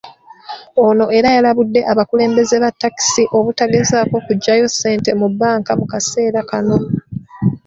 Ono era yalabudde abakulembeze ba takisi obutagezaako kujjayo ssente mu banka mu kaseera kano.